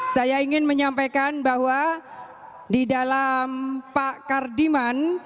saya ingin menyampaikan bahwa di dalam pak kardiman